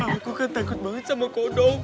aku kan takut banget sama kodo